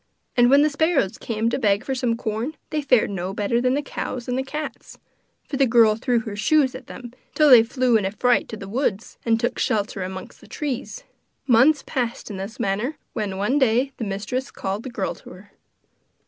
And when the sparrows came to beg for some corn, they fared no better than the cows and the cats, for the girl threw her shoes at them, till they flew in a fright to the woods, and took shelter amongst the trees. Months passed in this manner, when, one day, the mistress called the girl to her.